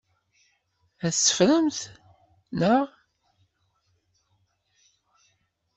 Ad t-teffremt, naɣ?